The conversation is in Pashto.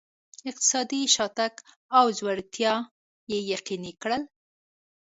اقتصادي شاتګ او ځوړتیا یې یقیني کړل.